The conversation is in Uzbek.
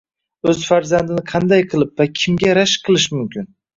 O‘z farzandini qanday qilib va kimga rashk qilish mumkin?